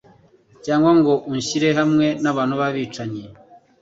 cyangwa ngo unshyire hamwe n’abantu b’abicanyi